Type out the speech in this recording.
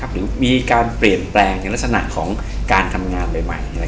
หรือมีการเปลี่ยนแปลงในลักษณะของการทำงานใหม่